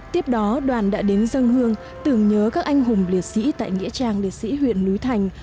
tiếp đó đoàn đã đến dân hương tưởng nhớ các anh hùng liệt sĩ tại nghĩa trang liệt sĩ huyện núi thành